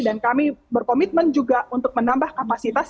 dan kami berkomitmen juga untuk menambah kapasitas